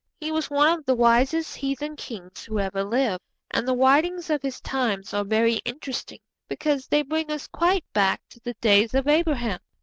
He was one of the wisest heathen kings who ever lived, and the writings of his times are very interesting, because they bring us quite back to the days of Abraham.